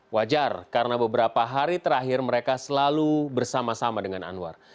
wajar karena beberapa hari terakhir mereka selalu bersama sama dengan anwar